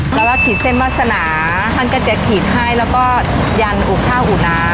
แล้วเราขีดเส้นวาสนาท่านก็จะขีดให้แล้วก็ยันอุ่นข้าวอุ่นน้ำ